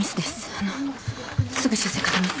あのすぐ修正かけます。